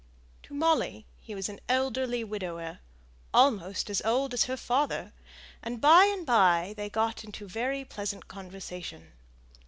To Molly he was an elderly widower, almost as old as her father, and by and by they got into very pleasant conversation.